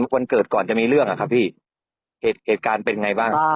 วันเกิดก่อนจะมีเรื่องอะครับพี่เหตุการณ์เป็นไงบ้าง